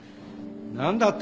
なんだって！？